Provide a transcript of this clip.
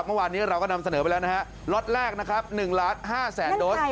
เมื่อวานนี้เราก็นำเสนอไปแล้วล็อตแรกหนึ่งล้านห้าแสนดนตร์